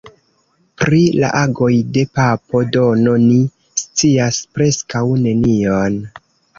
Pri la agoj de papo Dono ni scias preskaŭ nenion.